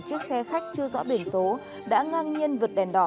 chiếc xe khách chưa rõ biển số đã ngang nhiên vượt đèn đỏ